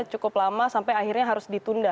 cukup lama sampai akhirnya harus ditunda